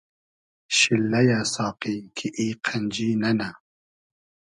شیللئیۂ ساقی کی ای قئنجی نئنۂ